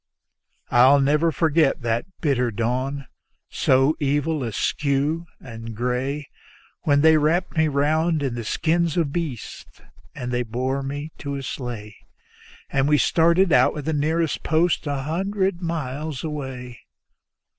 I'll never forget that bitter dawn, so evil, askew and gray, When they wrapped me round in the skins of beasts and they bore me to a sleigh, And we started out with the nearest post an hundred miles away.